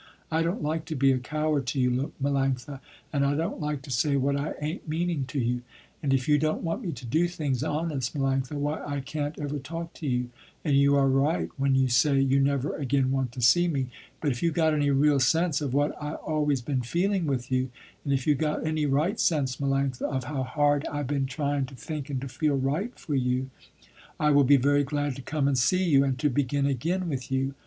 I don't like to be a coward to you, Melanctha, and I don't like to say what I ain't meaning to you. And if you don't want me to do things honest, Melanctha, why I can't ever talk to you, and you are right when you say, you never again want to see me, but if you got any real sense of what I always been feeling with you, and if you got any right sense, Melanctha, of how hard I been trying to think and to feel right for you, I will be very glad to come and see you, and to begin again with you.